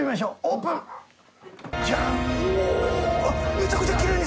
めちゃくちゃきれいにされてる！